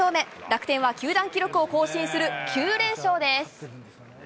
楽天は球団記録を更新する９連勝です。